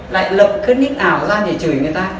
lại lập cái nick ảo ra để chửi người ta